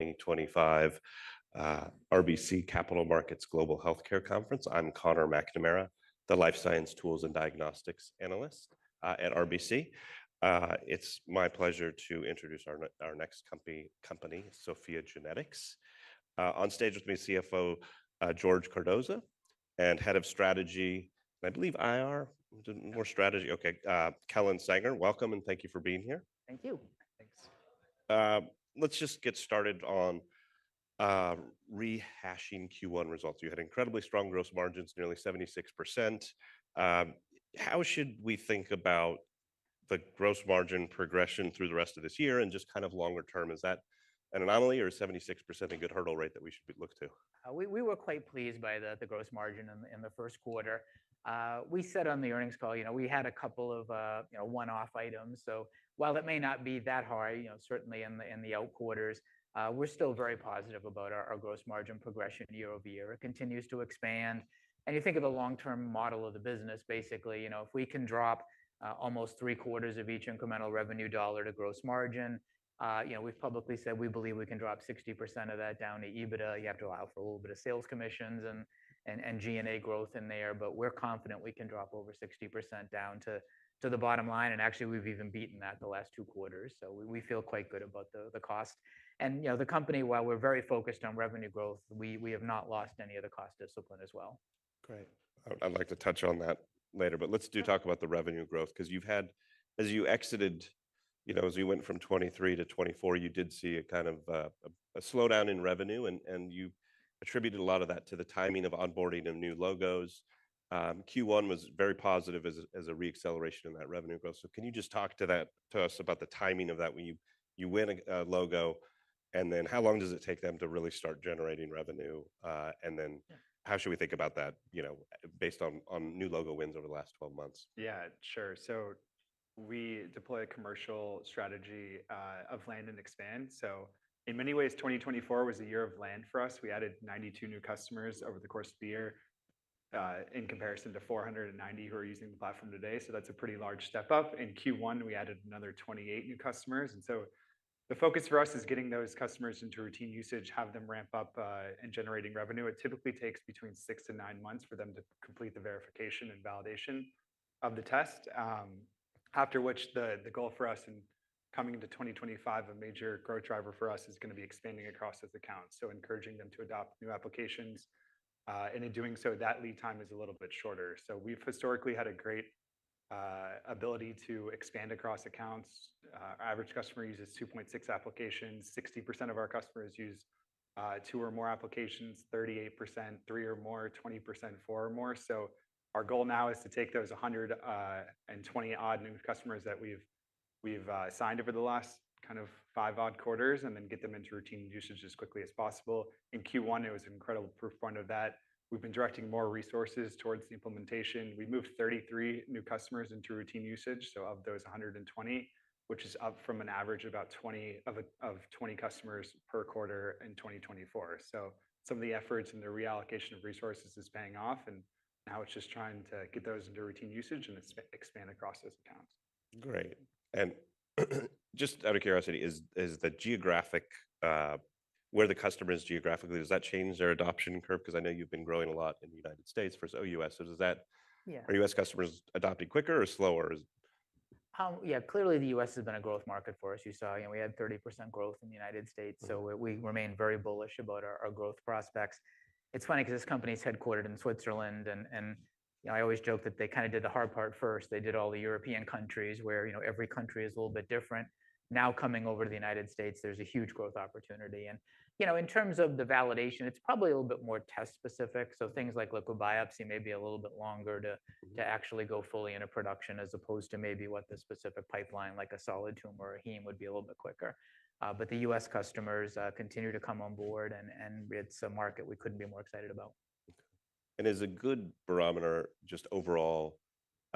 2025 RBC Capital Markets Global Healthcare Conference. I'm Connor McNamara, the Life Science Tools and Diagnostics Analyst at RBC. It's my pleasure to introduce our next company, SOPHiA GENETICS. On stage with me, CFO George Cardoza and Head of Strategy, I believe IR, more strategy, okay, Kellen Sanger, welcome and thank you for being here. Thank you. Thanks. Let's just get started on rehashing Q1 results. You had incredibly strong gross margins, nearly 76%. How should we think about the gross margin progression through the rest of this year and just kind of longer term? Is that an anomaly or is 76% a good hurdle rate that we should look to? We were quite pleased by the gross margin in the first quarter. We said on the earnings call, you know, we had a couple of one-off items. So while it may not be that high, you know, certainly in the out quarters, we're still very positive about our gross margin progression year-over-year. It continues to expand. And you think of the long-term model of the business, basically, you know, if we can drop almost three quarters of each incremental revenue dollar to gross margin, you know, we've publicly said we believe we can drop 60% of that down to EBITDA. You have to allow for a little bit of sales commissions and G&A growth in there, but we're confident we can drop over 60% down to the bottom line. And actually, we've even beaten that the last two quarters. So we feel quite good about the cost. You know, the company, while we're very focused on revenue growth, we have not lost any of the cost discipline as well. Great. I'd like to touch on that later, but let's do talk about the revenue growth because you've had, as you exited, you know, as we went from 2023-2024, you did see a kind of a slowdown in revenue, and you attributed a lot of that to the timing of onboarding of new logos. Q1 was very positive as a reacceleration in that revenue growth. Can you just talk to us about the timing of that when you win a logo? And then how long does it take them to really start generating revenue? And then how should we think about that, you know, based on new logo wins over the last 12 months? Yeah, sure. So we deploy a commercial strategy of land and expand. In many ways, 2024 was a year of land for us. We added 92 new customers over the course of the year in comparison to 490 customers who are using the platform today. That's a pretty large step up. In Q1, we added another 28 new customers. The focus for us is getting those customers into routine usage, have them ramp up and generating revenue. It typically takes between six to nine months for them to complete the verification and validation of the test, after which the goal for us in coming into 2025, a major growth driver for us, is going to be expanding across those accounts. Encouraging them to adopt new applications. In doing so, that lead time is a little bit shorter. We've historically had a great ability to expand across accounts. Our average customer uses 2.6 applications. 60% of our customers use two or more applications, 38% three or more, 20% four or more. Our goal now is to take those 120-odd new customers that we've signed over the last kind of five-odd quarters and then get them into routine usage as quickly as possible. In Q1, it was an incredible proof point of that. We've been directing more resources towards the implementation. We moved 33 new customers into routine usage. Of those 120, which is up from an average of about 20 customers per quarter in 2024. Some of the efforts and the reallocation of resources is paying off. Now it's just trying to get those into routine usage and expand across those accounts. Great. Just out of curiosity, is the geographic, where the customer is geographically, does that change their adoption curve? I know you've been growing a lot in the United States, first OUS. Does that, are U.S. customers adopting quicker or slower? Yeah, clearly the U.S. has been a growth market for us. You saw, you know, we had 30% growth in the United States. We remain very bullish about our growth prospects. It's funny because this company is headquartered in Switzerland. I always joke that they kind of did the hard part first. They did all the European countries where, you know, every country is a little bit different. Now coming over to the United States, there's a huge growth opportunity. You know, in terms of the validation, it's probably a little bit more test specific. Things like liquid biopsy may be a little bit longer to actually go fully into production as opposed to maybe what the specific pipeline like a solid tumor or heme would be a little bit quicker. The U.S. customers continue to come on board, and it's a market we couldn't be more excited about. Is a good barometer just overall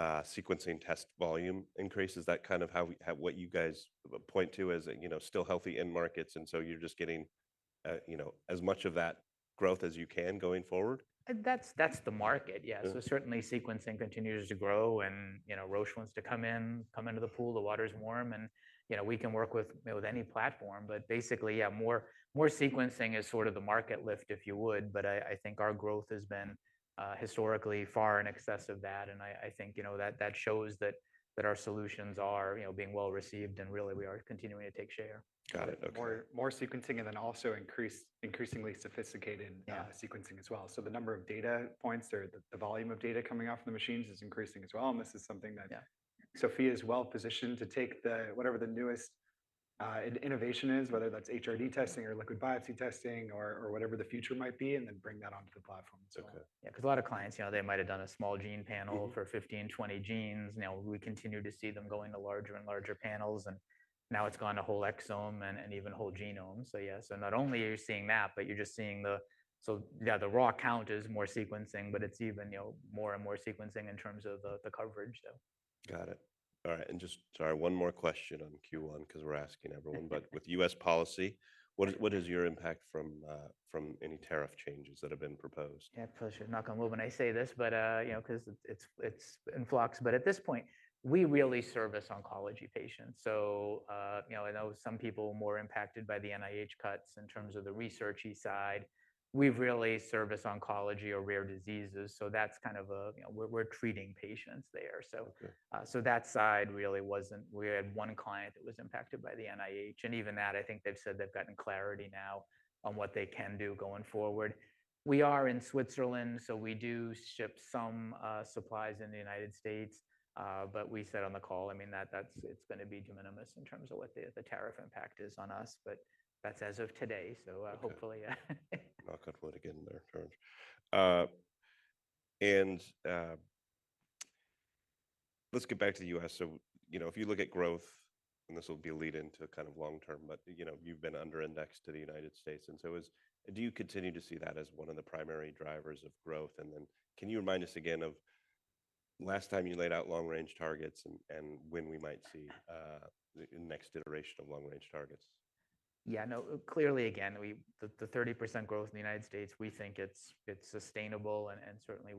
sequencing test volume increase, is that kind of what you guys point to as, you know, still healthy end markets? You are just getting, you know, as much of that growth as you can going forward? That's the market, yeah. Certainly sequencing continues to grow. And you know, Roche wants to come in, come into the pool, the water's warm. You know, we can work with any platform, but basically, yeah, more sequencing is sort of the market lift, if you would. I think our growth has been historically far in excess of that. I think, you know, that shows that our solutions are being well received and really we are continuing to take share. Got it. Okay. More sequencing and then also increasingly sophisticated sequencing as well. The number of data points or the volume of data coming off the machines is increasing as well. This is something that SOPHiA is well positioned to take whatever the newest innovation is, whether that's HRD testing or liquid biopsy testing or whatever the future might be, and then bring that onto the platform. Yeah, because a lot of clients, you know, they might have done a small gene panel for 15 genes, 20 genes. Now we continue to see them going to larger and larger panels. Now it has gone to Whole Exome and even Whole Genome. Yeah, not only are you seeing that, but you are just seeing the, yeah, the raw count is more sequencing, but it is even more and more sequencing in terms of the coverage. Got it. All right. Just, sorry, one more question on Q1 because we're asking everyone, but with U.S. policy, what is your impact from any tariff changes that have been proposed? Yeah, pleasure. Knock on wood when I say this, but you know, because it's in flux. At this point, we really service oncology patients. You know, I know some people are more impacted by the NIH cuts in terms of the researchy side. We really service oncology or rare diseases. That's kind of a, you know, we're treating patients there. That side really wasn't, we had one client that was impacted by the NIH. Even that, I think they've said they've gotten clarity now on what they can do going forward. We are in Switzerland, so we do ship some supplies in the United States. We said on the call, I mean, that's going to be de minimis in terms of what the tariff impact is on us, but that's as of today. Hopefully. Knock on wood again there, George. Let's get back to the U.S. You know, if you look at growth, and this will be a lead into kind of long term, but you know, you've been under-indexed to the United States. Do you continue to see that as one of the primary drivers of growth? Can you remind us again of last time you laid out long-range targets and when we might see the next iteration of long-range targets? Yeah, no, clearly again, the 30% growth in the United States, we think it's sustainable.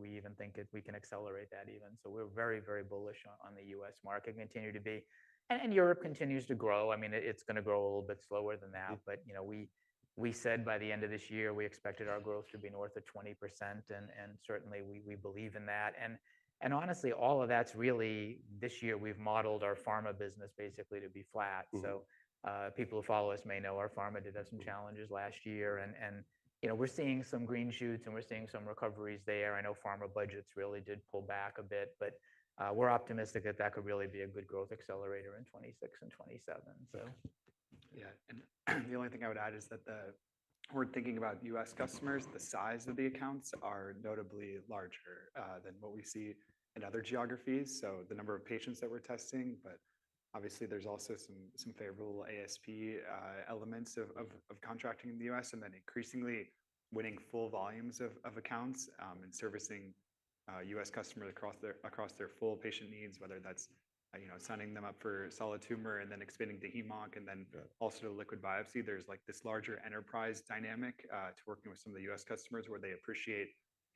We even think we can accelerate that even. We're very, very bullish on the U.S. market and continue to be. Europe continues to grow. I mean, it's going to grow a little bit slower than that. You know, we said by the end of this year, we expected our growth to be north of 20%. We believe in that. Honestly, all of that's really, this year we've modeled our pharma business basically to be flat. People who follow us may know our pharma did have some challenges last year. You know, we're seeing some green shoots and we're seeing some recoveries there. I know pharma budgets really did pull back a bit, but we're optimistic that that could really be a good growth accelerator in 2026 and 2027. Yeah. The only thing I would add is that we're thinking about U.S. customers, the size of the accounts are notably larger than what we see in other geographies. The number of patients that we're testing, but obviously there's also some favorable ASP elements of contracting in the U.S. and then increasingly winning full volumes of accounts and servicing U.S. customers across their full patient needs, whether that's signing them up for solid tumor and then expanding to hem-onc and then also to liquid biopsy. There's this larger enterprise dynamic to working with some of the U.S. customers where they appreciate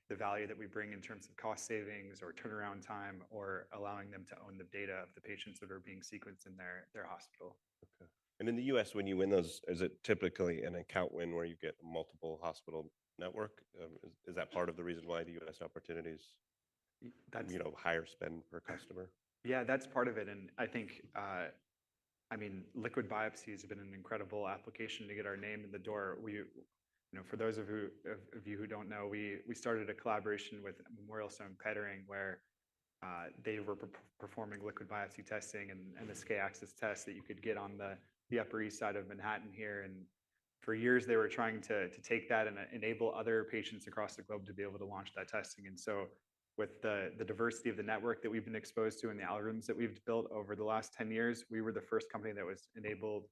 the value that we bring in terms of cost savings or turnaround time or allowing them to own the data of the patients that are being sequenced in their hospital. In the U.S., when you win those, is it typically an account win where you get multiple hospital network? Is that part of the reason why the U.S. opportunities, you know, higher spend per customer? Yeah, that's part of it. I think, I mean, liquid biopsies have been an incredible application to get our name in the door. You know, for those of you who don't know, we started a collaboration with Memorial Sloan Kettering where they were performing liquid biopsy testing and the MSK-ACCESS test that you could get on the Upper East Side of Manhattan here. For years, they were trying to take that and enable other patients across the globe to be able to launch that testing. With the diversity of the network that we've been exposed to and the algorithms that we've built over the last 10 years, we were the first company that enabled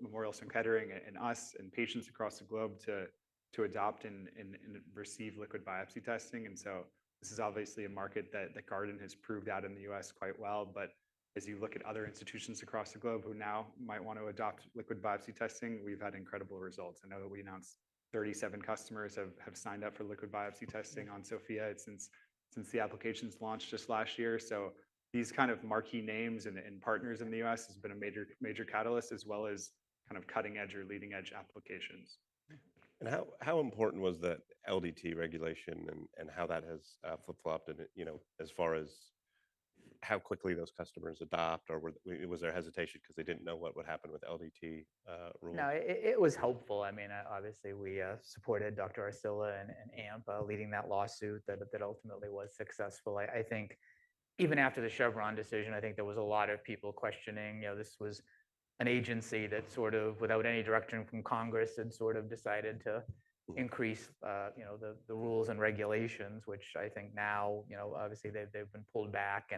Memorial Sloan Kettering and us and patients across the globe to adopt and receive liquid biopsy testing. This is obviously a market that Guardant has proved out in the U.S. quite well. As you look at other institutions across the globe who now might want to adopt liquid biopsy testing, we've had incredible results. I know that we announced 37 customers have signed up for liquid biopsy testing on SOPHiA since the application's launched just last year. These kind of marquee names and partners in the U.S. have been a major catalyst as well as kind of cutting edge or leading edge applications. How important was the LDT regulation and how that has flip-flopped, you know, as far as how quickly those customers adopt or was there hesitation because they didn't know what would happen with LDT rules? No, it was helpful. I mean, obviously we supported Dr. Arcila and AMPA leading that lawsuit that ultimately was successful. I think even after the Chevron decision, I think there was a lot of people questioning, you know, this was an agency that sort of without any direction from Congress had sort of decided to increase, you know, the rules and regulations, which I think now, you know, obviously they've been pulled back.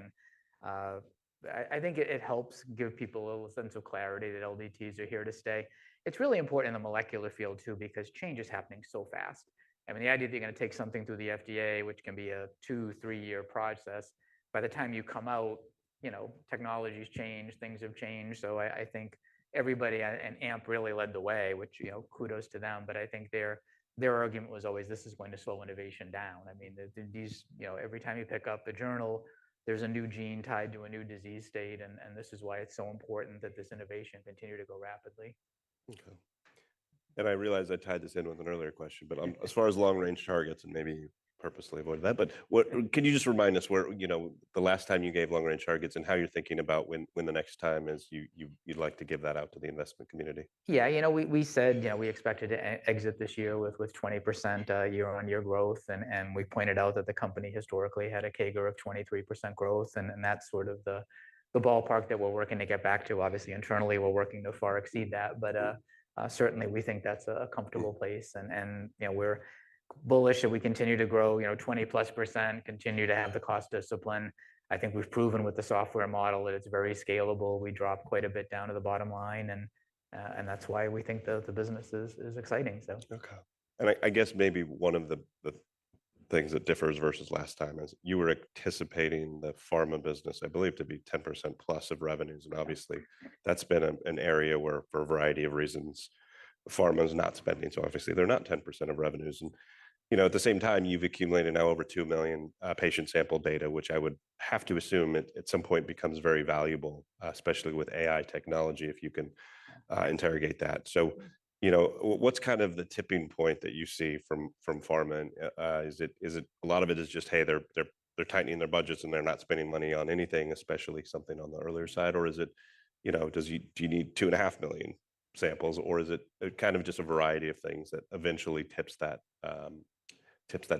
I think it helps give people a little sense of clarity that LDTs are here to stay. It's really important in the molecular field too because change is happening so fast. I mean, the idea that you're going to take something through the FDA, which can be a two, three-year process, by the time you come out, you know, technology's changed, things have changed. I think everybody and AMPA really led the way, which, you know, kudos to them. I think their argument was always, this is going to slow innovation down. I mean, you know, every time you pick up a journal, there's a new gene tied to a new disease state. This is why it's so important that this innovation continue to go rapidly. Okay. I realize I tied this in with an earlier question, but as far as long-range targets, and maybe purposely avoided that, but can you just remind us where, you know, the last time you gave long-range targets and how you're thinking about when the next time is you'd like to give that out to the investment community? Yeah, you know, we said, you know, we expected to exit this year with 20% year-on-year growth. We pointed out that the company historically had a CAGR of 23% growth. That is sort of the ballpark that we are working to get back to. Obviously, internally, we are working to far exceed that. Certainly, we think that is a comfortable place. You know, we are bullish if we continue to grow 20%+, continue to have the cost discipline. I think we have proven with the software model that it is very scalable. We drop quite a bit down to the bottom line. That is why we think the business is exciting. Okay. I guess maybe one of the things that differs versus last time is you were anticipating the pharma business, I believe, to be 10%+ of revenues. Obviously, that's been an area where for a variety of reasons, pharma is not spending. Obviously, they're not 10% of revenues. You know, at the same time, you've accumulated now over 2 million patient sample data, which I would have to assume at some point becomes very valuable, especially with AI technology if you can interrogate that. You know, what's kind of the tipping point that you see from pharma? Is it a lot of it is just, hey, they're tightening their budgets and they're not spending money on anything, especially something on the earlier side? Or is it, you know, do you need 2.5 million samples? Is it kind of just a variety of things that eventually tips that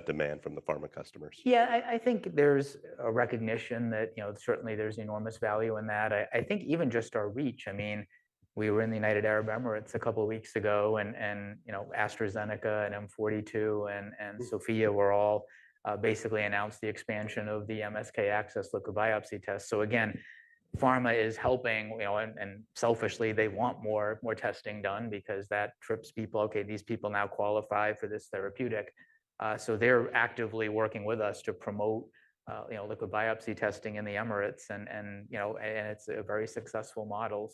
demand from the pharma customers? Yeah, I think there's a recognition that, you know, certainly there's enormous value in that. I think even just our reach, I mean, we were in the United Arab Emirates a couple of weeks ago. And you know, AstraZeneca and M42 and SOPHiA were all basically announced the expansion of the MSK-ACCESS liquid biopsy test. Again, pharma is helping, you know, and selfishly, they want more testing done because that trips people, okay, these people now qualify for this therapeutic. They are actively working with us to promote, you know, liquid biopsy testing in the Emirates. You know, and it's a very successful model.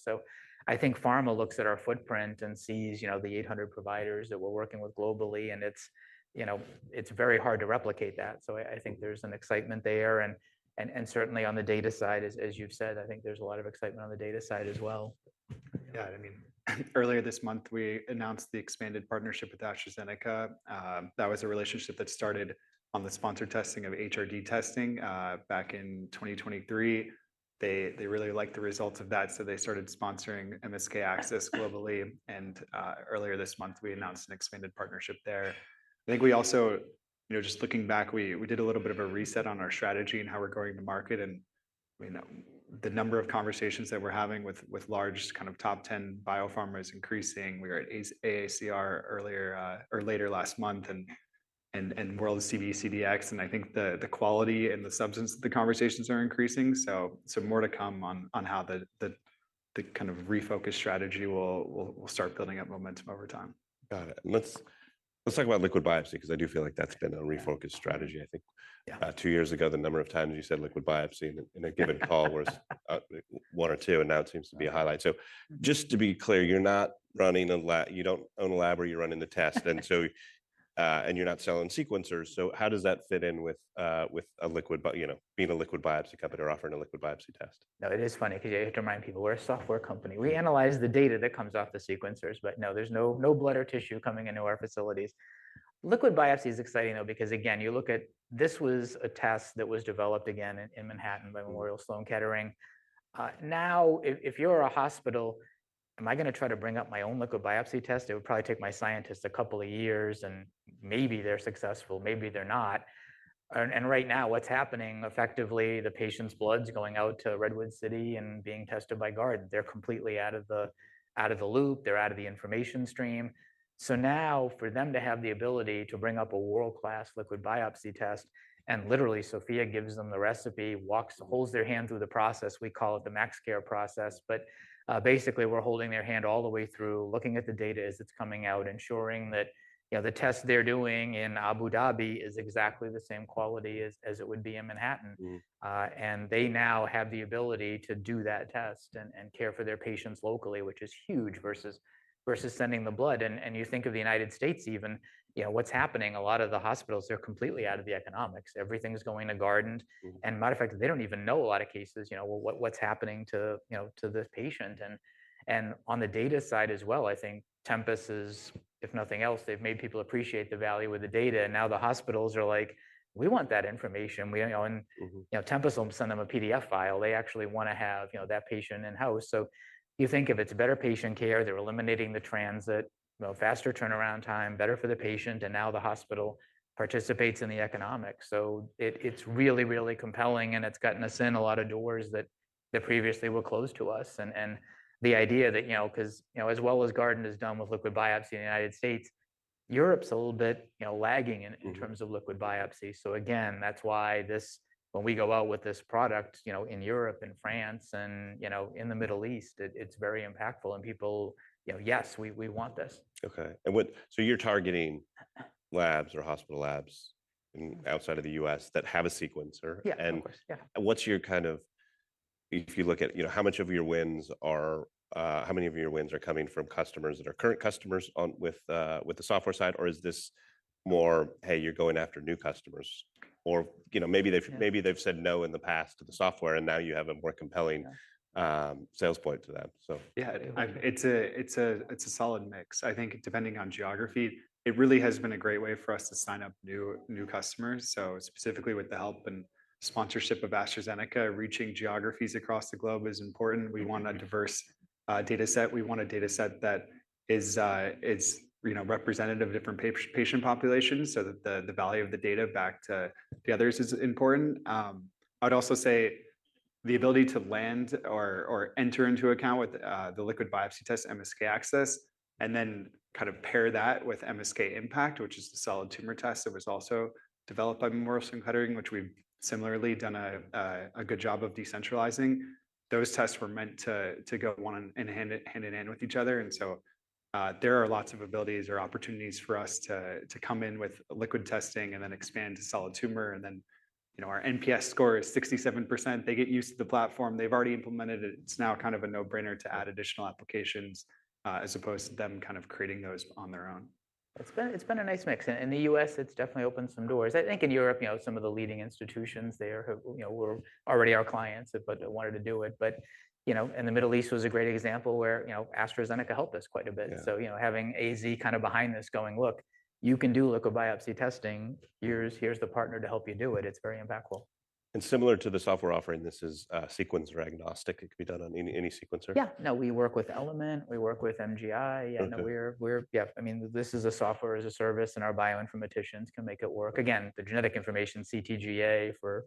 I think pharma looks at our footprint and sees, you know, the 800 providers that we're working with globally. It's, you know, it's very hard to replicate that. I think there's an excitement there. Certainly on the data side, as you've said, I think there's a lot of excitement on the data side as well. Yeah, I mean, earlier this month, we announced the expanded partnership with AstraZeneca. That was a relationship that started on the sponsored testing of HRD testing back in 2023. They really liked the results of that. So they started sponsoring MSK-ACCESS globally. And earlier this month, we announced an expanded partnership there. I think we also, you know, just looking back, we did a little bit of a reset on our strategy and how we're going to market. And I mean, the number of conversations that we're having with large kind of top 10 biopharma is increasing. We were at AACR earlier or later last month and World CBCDx. And I think the quality and the substance of the conversations are increasing. So more to come on how the kind of refocus strategy will start building up momentum over time. Got it. Let's talk about liquid biopsy because I do feel like that's been a refocus strategy. I think two years ago, the number of times you said liquid biopsy in a given call was one or two, and now it seems to be a highlight. Just to be clear, you're not running a lab, you don't own a lab where you're running the test. And you're not selling sequencers. How does that fit in with a liquid, you know, being a liquid biopsy company or offering a liquid biopsy test? No, it is funny because you have to remind people we're a software company. We analyze the data that comes off the sequencers, but no, there's no blood or tissue coming into our facilities. Liquid biopsy is exciting though because again, you look at this was a test that was developed again in Manhattan by Memorial Sloan Kettering. Now, if you're a hospital, am I going to try to bring up my own liquid biopsy test? It would probably take my scientists a couple of years and maybe they're successful, maybe they're not. Right now, what's happening effectively, the patient's blood's going out to Redwood City and being tested by Guard. They're completely out of the loop. They're out of the information stream. Now for them to have the ability to bring up a world-class liquid biopsy test and literally SOPHiA gives them the recipe, walks, holds their hand through the process, we call it the MaxCare process. Basically, we're holding their hand all the way through, looking at the data as it's coming out, ensuring that, you know, the test they're doing in Abu Dhabi is exactly the same quality as it would be in Manhattan. They now have the ability to do that test and care for their patients locally, which is huge versus sending the blood. You think of the United States even, you know, what's happening, a lot of the hospitals, they're completely out of the economics. Everything's going to Guardant. Matter of fact, they don't even know a lot of cases, you know, what's happening to, you know, to the patient. On the data side as well, I think Tempus has, if nothing else, they've made people appreciate the value of the data. Now the hospitals are like, we want that information. You know, Tempus will send them a PDF file. They actually want to have, you know, that patient in-house. You think of it's better patient care, they're eliminating the transit, you know, faster turnaround time, better for the patient. Now the hospital participates in the economic. It's really, really compelling. It's gotten us in a lot of doors that previously were closed to us. The idea that, you know, because, you know, as well as Guardant has done with liquid biopsy in the United States, Europe's a little bit, you know, lagging in terms of liquid biopsy. Again, that's why this, when we go out with this product, you know, in Europe and France and, you know, in the Middle East, it's very impactful. And people, you know, yes, we want this. Okay. And so you're targeting labs or hospital labs outside of the U.S. that have a sequencer. Yeah, of course. What's your kind of, if you look at, you know, how much of your wins are, how many of your wins are coming from customers that are current customers with the software side? Is this more, hey, you're going after new customers? Or, you know, maybe they've said no in the past to the software and now you have a more compelling sales point to them. Yeah, it's a solid mix. I think depending on geography, it really has been a great way for us to sign up new customers. Specifically with the help and sponsorship of AstraZeneca, reaching geographies across the globe is important. We want a diverse data set. We want a data set that is, you know, representative of different patient populations so that the value of the data back to the others is important. I would also say the ability to land or enter into an account with the liquid biopsy test, MSK-ACCESS, and then kind of pair that with MSK-IMPACT, which is a solid tumor test that was also developed by Memorial Sloan Kettering, which we've similarly done a good job of decentralizing. Those tests were meant to go hand in hand with each other. There are lots of abilities or opportunities for us to come in with liquid testing and then expand to solid tumor. And then, you know, our NPS score is 67%. They get used to the platform. They've already implemented it. It's now kind of a no-brainer to add additional applications as opposed to them kind of creating those on their own. It's been a nice mix. In the U.S., it's definitely opened some doors. I think in Europe, you know, some of the leading institutions there were already our clients, but wanted to do it. You know, in the Middle East was a great example where, you know, AstraZeneca helped us quite a bit. You know, having AZ kind of behind this going, look, you can do liquid biopsy testing. Here's the partner to help you do it. It's very impactful. Similar to the software offering, this is sequencer agnostic. It can be done on any sequencer. Yeah. No, we work with Element. We work with MGI. Yeah, we're, yeah, I mean, this is a Software as a Service and our bioinformaticians can make it work. Again, the genetic information, CTGA for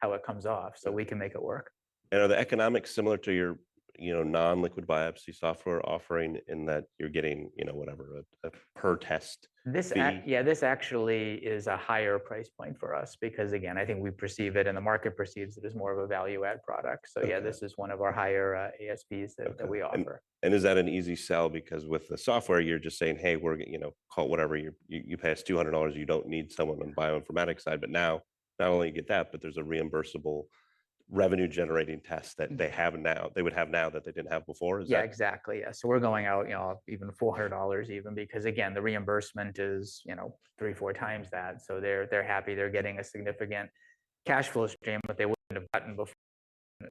how it comes off. So we can make it work. Are the economics similar to your, you know, non-liquid biopsy software offering in that you're getting, you know, whatever, a per test? Yeah, this actually is a higher price point for us because, again, I think we perceive it and the market perceives it as more of a value-add product. Yeah, this is one of our higher ASPs that we offer. Is that an easy sell because with the software, you're just saying, hey, we're, you know, call it whatever, you pay us $200, you don't need someone on the bioinformatics side. Now, not only do you get that, but there's a reimbursable revenue-generating test that they have now, they would have now that they didn't have before. Yeah, exactly. So we're going out, you know, even $400 even because, again, the reimbursement is, you know, 3x, 4x that. So they're happy they're getting a significant cash flow stream that they wouldn't have gotten before.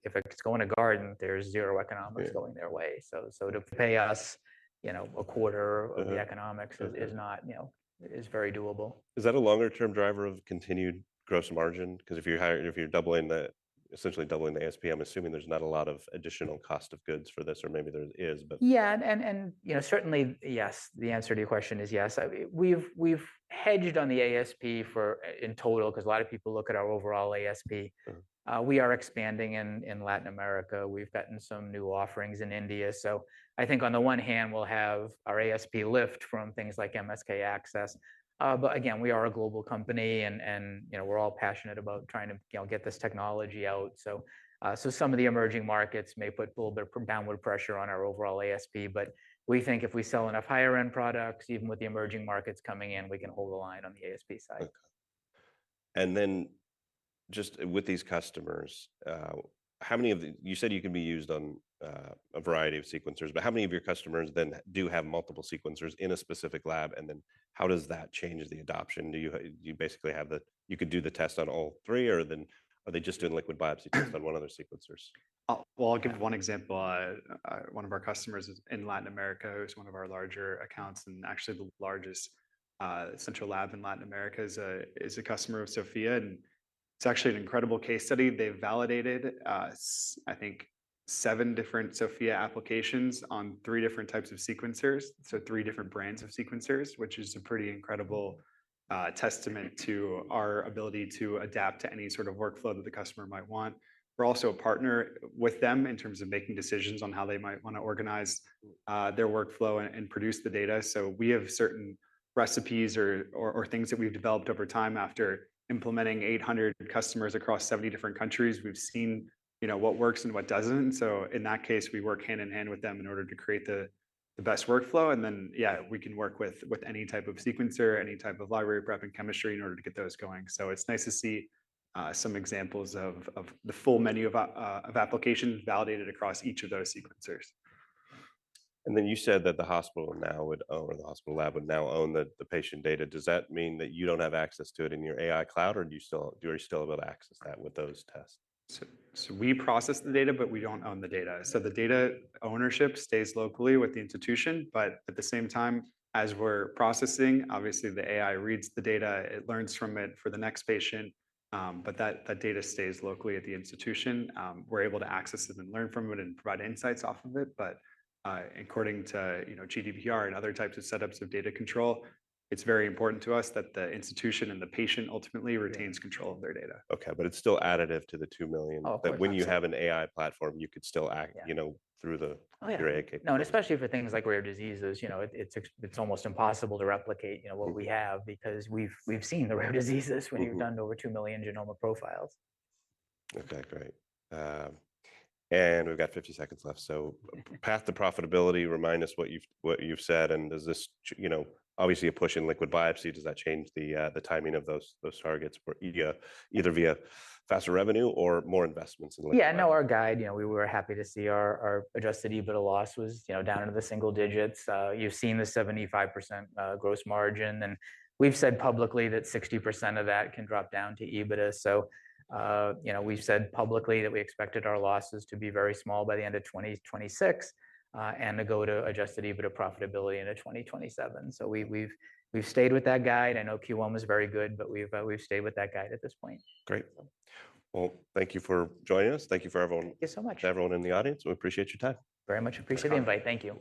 If it's going to Guardant, there's zero economics going their way. To pay us, you know, a quarter of the economics is not, you know, is very doable. Is that a longer-term driver of continued gross margin? Because if you're doubling the, essentially doubling the ASP, I'm assuming there's not a lot of additional cost of goods for this or maybe there is, but. Yeah. And, you know, certainly, yes, the answer to your question is yes. We've hedged on the ASP in total because a lot of people look at our overall ASP. We are expanding in Latin America. We've gotten some new offerings in India. I think on the one hand, we'll have our ASP lift from things like MSK-ACCESS. Again, we are a global company and, you know, we're all passionate about trying to get this technology out. Some of the emerging markets may put a little bit of downward pressure on our overall ASP, but we think if we sell enough higher-end products, even with the emerging markets coming in, we can hold the line on the ASP side. Just with these customers, how many, you said you can be used on a variety of sequencers, but how many of your customers then do have multiple sequencers in a specific lab? How does that change the adoption? Do you basically have the, you could do the test on all three or then are they just doing liquid biopsy tests on one of their sequencers? I'll give one example. One of our customers in Latin America, who's one of our larger accounts and actually the largest central lab in Latin America, is a customer of SOPHiA. It's actually an incredible case study. They validated, I think, seven different SOPHiA applications on three different types of sequencers. Three different brands of sequencers, which is a pretty incredible testament to our ability to adapt to any sort of workflow that the customer might want. We're also a partner with them in terms of making decisions on how they might want to organize their workflow and produce the data. We have certain recipes or things that we've developed over time after implementing 800 customers across 70 different countries. We've seen, you know, what works and what doesn't. In that case, we work hand in hand with them in order to create the best workflow. And then, yeah, we can work with any type of sequencer, any type of library prep and chemistry in order to get those going. It's nice to see some examples of the full menu of applications validated across each of those sequencers. You said that the hospital now would own, or the hospital lab would now own the patient data. Does that mean that you do not have access to it in your AI cloud or do you still, you are still able to access that with those tests? We process the data, but we don't own the data. The data ownership stays locally with the institution, but at the same time, as we're processing, obviously the AI reads the data, it learns from it for the next patient, but that data stays locally at the institution. We're able to access it and learn from it and provide insights off of it. According to, you know, GDPR and other types of setups of data control, it's very important to us that the institution and the patient ultimately retains control of their data. Okay, but it's still additive to the 2 million that when you have an AI platform, you could still act, you know, through the. No, and especially for things like rare diseases, you know, it's almost impossible to replicate, you know, what we have because we've seen the rare diseases when you've done over 2 million genome profiles. Okay, great. We have 50 seconds left. Path to profitability, remind us what you've said. Is this, you know, obviously a push in liquid biopsy? Does that change the timing of those targets either via faster revenue or more investments in liquid biopsy? Yeah, I know our guide, you know, we were happy to see our adjusted EBITDA loss was, you know, down into the single-digits. You've seen the 75% gross margin. We've said publicly that 60% of that can drop down to EBITDA. You know, we've said publicly that we expected our losses to be very small by the end of 2026 and to go to adjusted EBITDA profitability into 2027. We've stayed with that guide. I know Q1 was very good, but we've stayed with that guide at this point. Great. Thank you for joining us. Thank you for everyone. Thank you so much. Everyone in the audience, we appreciate your time. Very much appreciate the invite. Thank you.